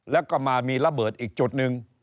แล้วก็มามีระเบิดอีกจุดหนึ่ง